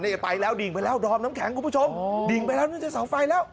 นี่ไปแล้วดิ่งไปแล้วดอมน้ำแข็งคุณผู้ชมดิ่งไปแล้วน่าจะเสาไฟแล้ว